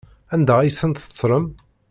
Anda ay tent-tettlem?